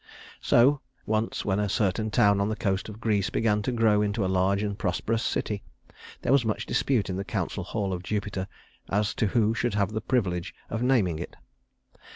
So once, when a certain town on the coast of Greece began to grow into a large and prosperous city, there was much dispute in the council hall of Jupiter as to who should have the privilege of naming it.